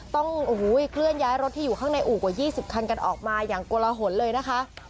ต้องเคลื่อนย้ายรถที่อยู่ข้างในอู่กว่า๒๐คันกันออกมาอย่างโกลหนเลยนะคะ